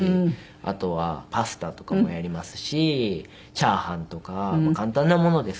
あとはパスタとかもやりますしチャーハンとか簡単なものですけど。